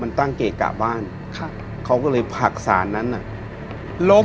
มันตั้งเกะกะบ้านครับเขาก็เลยผลักสารนั้นน่ะล้ม